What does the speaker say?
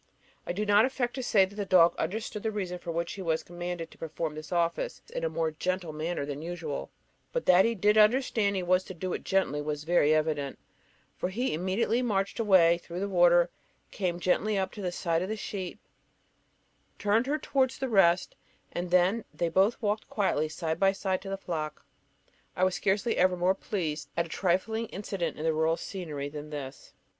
I do not affect to say that the dog understood the reason for which he was commanded to perform this office in a more gentle manner than usual; but that he did understand he was to do it gently was very evident, for he immediately marched away through the water, came gently up to the side of the sheep, turned her towards the rest, and then they both walked quietly side by side to the flock. I was scarcely ever more pleased at a trifling incident in rural scenery than this.